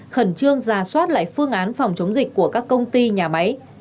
khẩn trương ra soát lại phương án phòng chống dịch của các công ty nhà máy